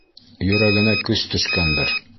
Йөрәгенә көс төшкәндер.